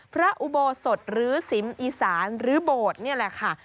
พระอุโบสถหรือสิมอีสานหรือโบสถ์นี่แหละค่ะ